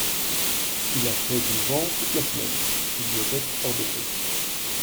Il a fait du vent toute la semaine, il doit être hors de prix…